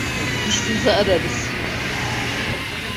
Biz sizi ararız.